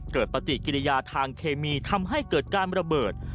ปฏิกิริยาทางเคมีทำให้เกิดการระเบิด